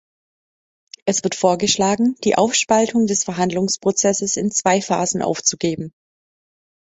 Es wird vorgeschlagen, die Aufspaltung des Verhandlungsprozesses in zwei Phasen aufzugeben.